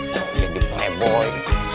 soalnya di playboy